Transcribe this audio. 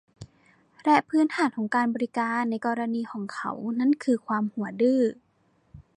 และพื้นฐานของการบริการในกรณีของเขานั้นคือความหัวดื้อ